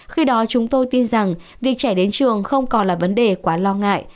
khi đó chúng tôi tin rằng việc trẻ đến trường không còn là vấn đề quá lo ngại